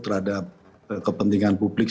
terhadap kepentingan publik